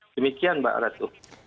demikian mbak ratu